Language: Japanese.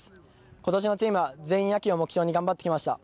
今年のチームは、全員野球を目標に頑張ってきました。